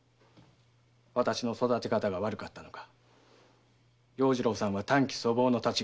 私の育て方が悪かったのか要次郎さんは短気粗暴の質がある。